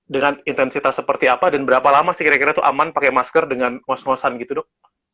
dengan intensitas seperti apa dan berapa lama sih kira kira itu aman pakai masker dengan ngos ngosan gitu dok